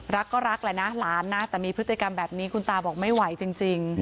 รักก็รักแหละนะหลานนะแต่มีพฤติกรรมแบบนี้คุณตาบอกไม่ไหวจริง